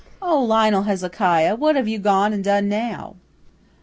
"Oh, Lionel Hezekiah, what have you gone and done now?"